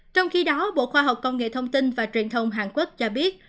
trong khi đó bộ khoa học công nghệ thông tin và truyền thông hàn quốc cho biết